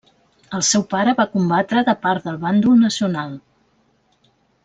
El seu pare va combatre de part del bàndol nacional.